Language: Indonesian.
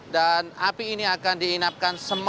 dan api ini akan diinapkan semuanya